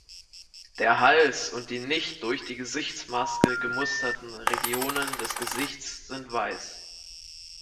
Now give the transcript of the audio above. Der Hals und die nicht durch die Gesichtsmaske gemusterten Regionen des Gesichts sind weiß.